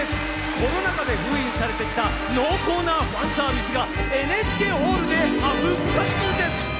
コロナ禍で封印されてきた濃厚なファンサービスがＮＨＫホールで復活です！